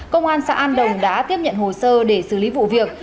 công an xã an đồng đã tiếp nhận hồ sơ để xử lý vụ việc